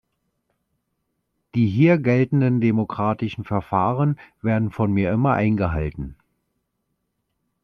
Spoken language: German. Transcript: Die hier geltenden demokratischen Verfahren werden von mir immer eingehalten.